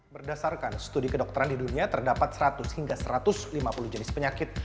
berdasarkan studi kedokteran di dunia terdapat seratus hingga satu ratus lima puluh jenis penyakit